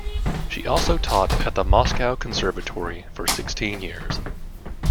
She also taught at the Moscow Conservatory for sixteen years.